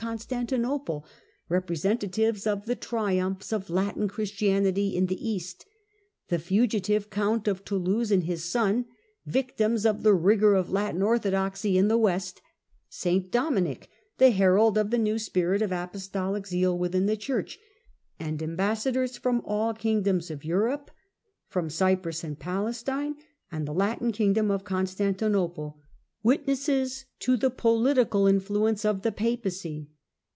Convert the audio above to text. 183 Constantinople, representatives of the triumphs of Latin Christianity in the East, the fugitive Count of Toulouse and his son, victims of the rigour of Latin orthodoxy in the West ; St Dominic, the herald of the new spirit of apostolic zeal within the Church, and ambassadors from all the kingdoms of Europe, from Cyprus and Palestine, and the Latin Empire of Constantinople, witnesses to the political influence of the Papacy.